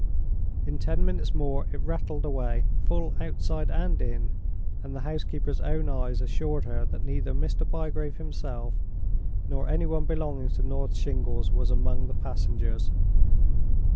In ten minutes more it rattled away, full outside and in; and the housekeeper's own eyes assured her that neither Mr. Bygrave himself, nor any one belonging to North Shingles, was among the passengers.